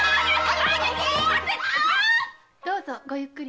どうぞごゆっくり。